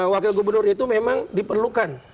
wakil gubernur itu memang diperlukan